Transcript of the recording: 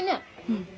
うん。